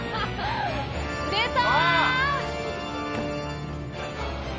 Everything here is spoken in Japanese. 出た！